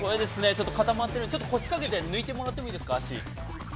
◆ちょっと固まってる、腰かけて抜いてもらってもいいですか、足。